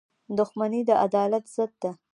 • دښمني د عدالت ضد ده.